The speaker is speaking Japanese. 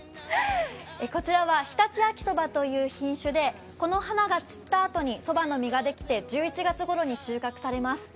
こちらは常陸秋そばという品種で、この花が散ったあとにそばの実ができて、１１月ごろに収穫されます